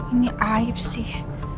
ini aib sih